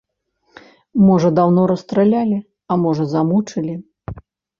Можа, даўно расстралялі, а можа, замучылі?